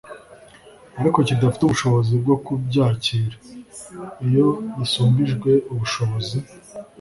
ariko kidafite ubushobozi bwo kubyakira. iyo gisumbijwe ubushobozi